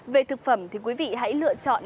về thực phẩm thì quý vị hãy lựa chọn